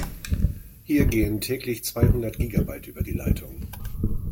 Hier gehen täglich zweihundert Gigabyte über die Leitung.